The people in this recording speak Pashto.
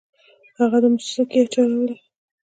هغه د مسو سکې چلولې.